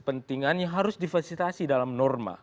pentingannya harus diversitasi dalam normal